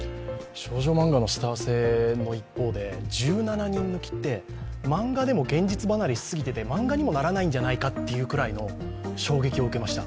少女漫画のスター性の一方で１７人抜きって漫画でも現実離れしていて、漫画にもならないんじゃないかというぐらいの衝撃を受けました。